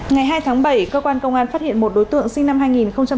ngày hai tháng bảy cơ quan công an phát hiện một đối tượng sinh năm hai nghìn hai mươi